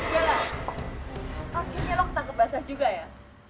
bella akhirnya lo ketangkep basah juga ya